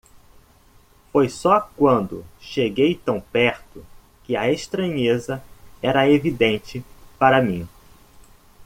Foi só quando cheguei tão perto que a estranheza era evidente para mim.